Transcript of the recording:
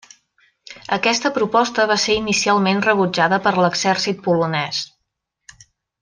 Aquesta proposta va ser inicialment rebutjada per l'Exèrcit polonès.